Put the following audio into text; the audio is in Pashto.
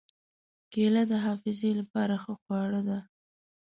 کېله د حافظې له پاره ښه خواړه ده.